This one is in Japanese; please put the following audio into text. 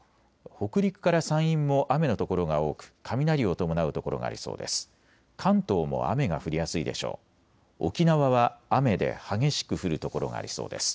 北陸から山陰も雨の所が多く雷を伴う所がありそうです。